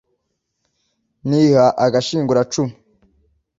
niha agashinguracumu